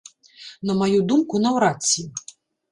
На маю думку, наўрад ці.